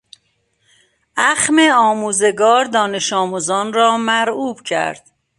اخم آموزگار دانشآموزان را مرعوب کرد.